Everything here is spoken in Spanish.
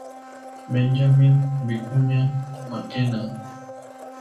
Benjamin Vicuña Mackenna